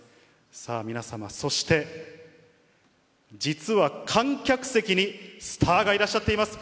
さあ、皆様、そして、実は観客席に、スターがいらっしゃっています。